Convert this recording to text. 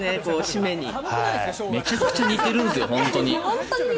めちゃくちゃ似てるんです本当に。